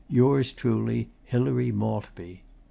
Yours truly, Hilary Maltby."